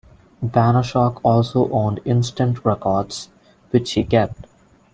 Banashak also owned Instant Records, which he kept.